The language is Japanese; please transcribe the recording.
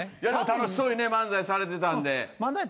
楽しそうに漫才されてたんで。